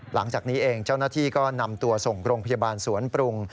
หลังจากนี้เองเจ้าหน้าที่ก็นำตัวส่งโรงพยาบาลสวนปรุง